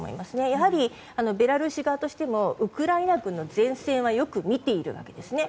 やはり、ベラルーシ側としてもウクライナ軍の善戦はよく見ているわけですね。